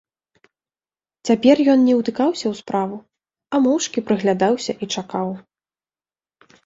Цяпер ён не ўтыкаўся ў справу, а моўчкі прыглядаўся і чакаў.